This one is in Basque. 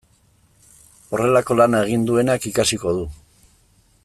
Horrelako lana egin duenak ikasiko du.